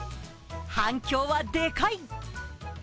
反響はでかい。